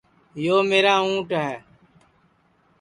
یو میرا اُنٹ ہے